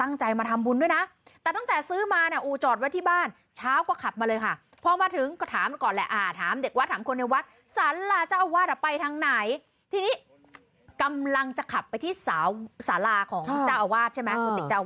กำลังจะขับไปที่สาราของติ๊กจ้าวาดใช่ไหม